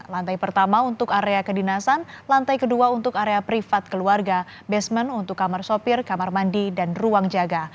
lantai pertama untuk area kedinasan lantai kedua untuk area privat keluarga basement untuk kamar sopir kamar mandi dan ruang jaga